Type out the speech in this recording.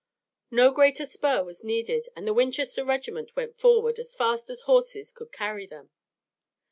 No greater spur was needed and the Winchester regiment went forward as fast as horses could carry them.